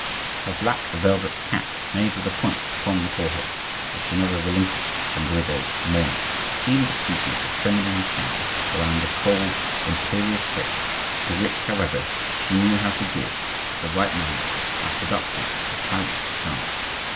Her black velvet cap, made with a point upon the forehead (for she never relinquished her widow's mourning) seemed a species of feminine cowl around the cold, imperious face, to which, however, she knew how to give, at the right moment, a seductive Italian charm.